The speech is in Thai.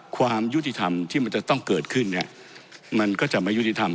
ความยุติธรรมที่มันจะต้องเกิดขึ้นเนี่ยมันก็จะไม่ยุติธรรม